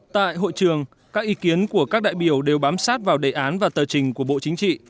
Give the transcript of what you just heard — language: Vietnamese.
tại hội trường các ý kiến của các đại biểu đều bám sát vào đề án và tờ trình của bộ chính trị